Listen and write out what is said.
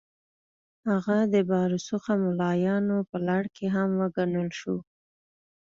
هغه د با رسوخه ملایانو په لړ کې هم وګڼل شو.